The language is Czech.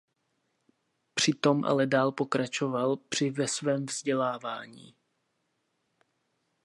Přitom ale dál pokračoval při ve svém vzdělávání.